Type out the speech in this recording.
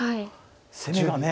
攻めがね。